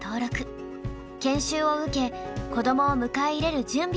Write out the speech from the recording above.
研修を受け子どもを迎え入れる準備を進めました。